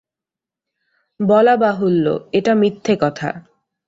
বলা বাহুল্য এটা মিথ্যে কথা।